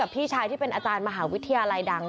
พี่ชายที่เป็นอาจารย์มหาวิทยาลัยดัง